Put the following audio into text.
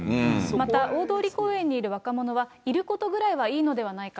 また大通公園にいる若者は、いることぐらいはいいのではないか。